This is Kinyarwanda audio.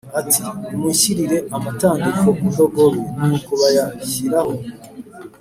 ati “Nimunshyirire amatandiko ku ndogobe” Nuko bayiyashyiraho